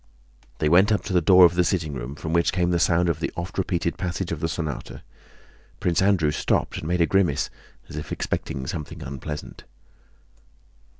They went up to the door of the sitting room from which came the sound of the oft repeated passage of the sonata. Prince Andrew stopped and made a grimace, as if expecting something unpleasant.